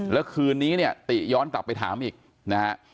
แล้วคืนนี้เนี่ยติย้อนกลับไปถามอีกนะฮะ